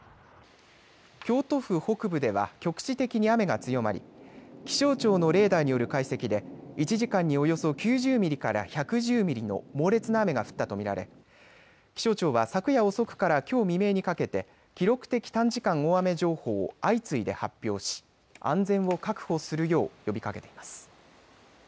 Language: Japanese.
京都府北部では局地的に雨が強まり気象庁のレーダーによる解析で１時間におよそ９０ミリから１１０ミリの猛烈な雨が降ったと見られ気象庁は昨夜遅くからきょう未明にかけて記録的短時間大雨情報を相次いで発表し安全を確保するよう呼びかけています。